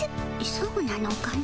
そうなのかの。